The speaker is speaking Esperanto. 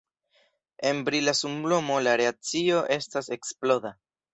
En brila sunlumo la reakcio estas eksploda.